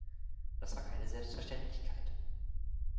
Das war keine Selbstverständlichkeit.